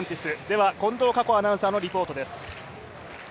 では近藤夏子アナウンサーのリポートです。